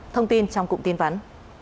thông tin trong cụm tin vắn